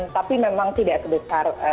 tapi memang tidak sebesar